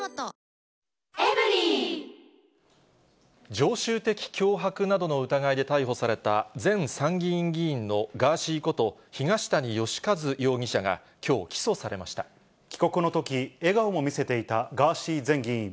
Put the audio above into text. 常習的脅迫などの疑いで逮捕された、前参議院議員のガーシーこと、東谷義和容疑者がきょう、帰国のとき、笑顔も見せていたガーシー前議員。